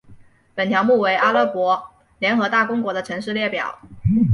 本条目为阿拉伯联合大公国的城市列表。